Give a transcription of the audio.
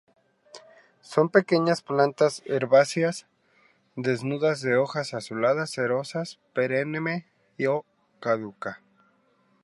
Son pequeñas plantas herbáceas desnudas de hojas, azulada cerosa perenne o caduca.